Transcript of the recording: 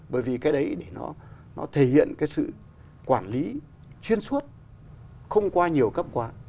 bởi vì cái đấy để nó thể hiện cái sự quản lý chuyên suốt không qua nhiều cấp quá